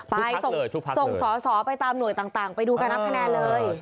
ส่งสอสอไปตามหน่วยต่างไปดูการนับคะแนนเลย